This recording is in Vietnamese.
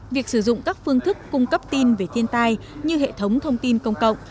việc sử dụng các phương thức cung cấp tin về thiên tai như hệ thống thông tin công cộng